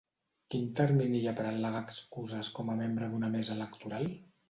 Quin termini hi ha per al·legar excuses com a membre d’una mesa electoral?